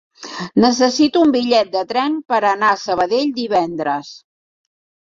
Necessito un bitllet de tren per anar a Sabadell divendres.